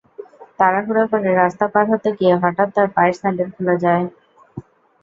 তাড়াহুড়া করে রাস্তা পার হতে গিয়ে হঠাৎ তাঁর পায়ের স্যান্ডেল খুলে যায়।